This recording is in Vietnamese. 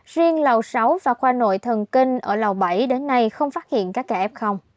riêng lầu sáu và khoa nội thần kinh ở lầu bảy đến nay không phát hiện các ca f